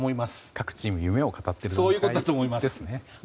各チーム夢を語っているんですね。